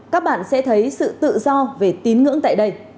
các bạn sẽ thấy sự tự do về tín ngưỡng tại đây